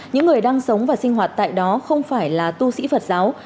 những người đang sống và sinh hoạt tại đó không phải là tu sĩ phật giáo